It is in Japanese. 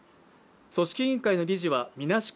組織委員会の理事はみなし